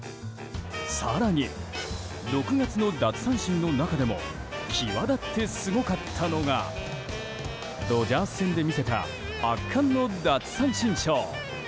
更に、６月の奪三振の中でも際立ってすごかったのがドジャース戦で見せた圧巻の奪三振ショー。